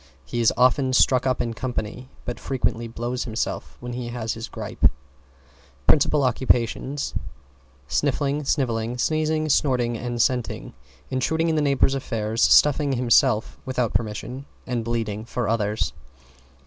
He is often stuck up in company, but frequently blows himself when he has his grippe. Principal occupations, sniffling, snivelling, sneezing, snorting and scenting, intruding in the neighbors' affairs, stuffing himself without permission and bleeding for others.